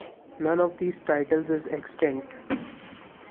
None of these titles is extant.